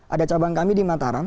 ada cabang kami di mataram